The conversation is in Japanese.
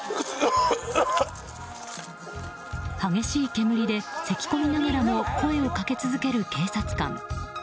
激しい煙でせき込みながらも声をかけ続ける警察官。